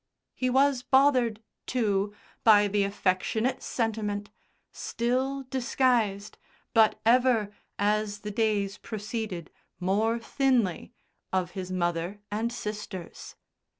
He was bothered, too, by the affectionate sentiment (still disguised, but ever, as the days proceeded, more thinly) of his mother and sisters.